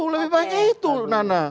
lebih baiknya itu nana